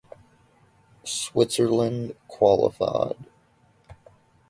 Switzerland qualified.